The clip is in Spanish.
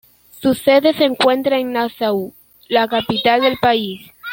Su sede se encuentra en Nassau, la capital del país.